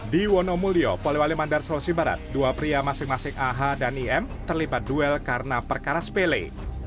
di wonomulyo poliwali mandar solusi barat dua pria masing masing aha dan im terlibat duel karena perkara spele